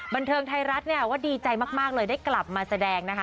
บันเทิงไทยรัฐดีใจมากเลยได้กลับมาแสดงนะฮะ